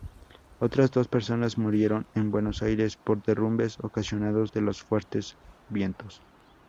Otras dos personas murieron en Buenos Aires por derrumbes ocasionados de los fuertes vientos.